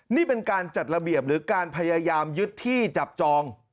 นี่เป็นการจัดระเบียบหรือการพยายามยึดที่จับจอง